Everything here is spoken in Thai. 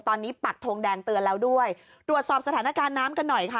ตอนนี้ปักทงแดงเตือนแล้วด้วยตรวจสอบสถานการณ์น้ำกันหน่อยค่ะ